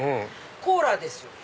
コーラですよ。